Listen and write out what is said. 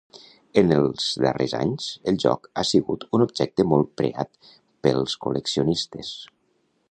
En els darrers anys, el joc ha sigut un objecte molt preat pels col·leccionistes.